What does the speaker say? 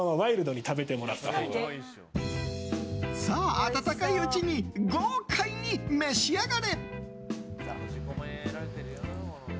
温かいうちに豪快に召し上がれ！